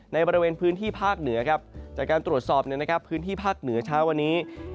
ในบริเวณพื้นที่ภาคเหนือครับจากการตรวจสอบพื้นที่ภาคเหนือเช้าวันนี้